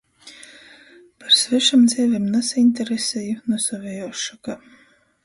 Par svešom dzeivem nasaiņtereseju, nu sovejuos šokā.